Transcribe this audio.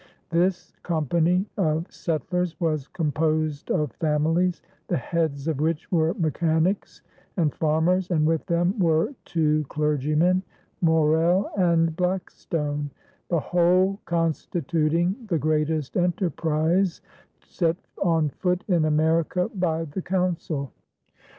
This company of settlers was composed of families, the heads of which were mechanics and farmers, and with them were two clergymen, Morrell and Blackstone, the whole constituting the greatest enterprise set on foot in America by the Council.